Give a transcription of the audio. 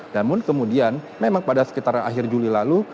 namun kemudian memang pada sekitar akhir juli lalu